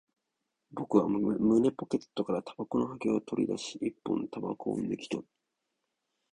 僕は胸ポケットから煙草の箱を取り出し、一本煙草を抜き取る